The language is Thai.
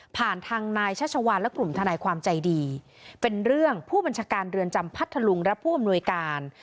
ทางนายชัชวานและกลุ่มทนายความใจดีเป็นเรื่องผู้บัญชาการเรือนจำพัทธลุงและผู้อำนวยการ